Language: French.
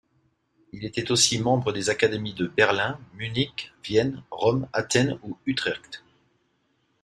Il était aussi membre des académies de Berlin, Munich, Vienne, Rome, Athènes ou Utrecht.